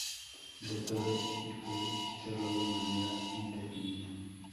La torre Eiffel cerró de manera indefinida.